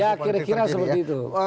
ya kira kira seperti itu